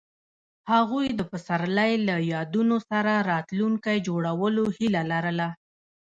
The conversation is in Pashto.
هغوی د پسرلی له یادونو سره راتلونکی جوړولو هیله لرله.